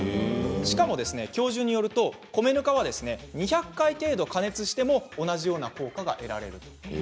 しかも教授によると米ぬかは２００回程度加熱しても同じような効果が得られると。